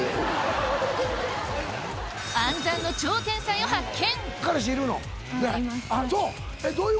暗算の超天才を発見。